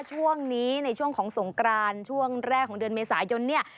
ช่วงนี้ในช่วงของสงกรานช่วงแรกของเดือนเมษายนเนี่ย